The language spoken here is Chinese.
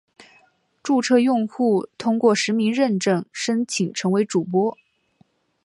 注册用户通过实名认证申请成为主播。